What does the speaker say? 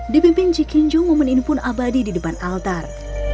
dipimpin ji kinjo memenuhi impun abadi di depan altar